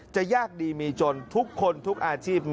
ยากดีมีจนทุกคนทุกอาชีพ